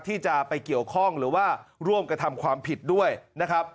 ที่จะไปเกี่ยวข้องหรือว่าร่วมกระทำความผิดด้วยนะครับ